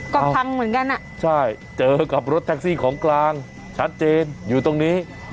ก็พังเหมือนกันอ่ะใช่เจอกับรถแท็กซี่ของกลางชัดเจนอยู่ตรงนี้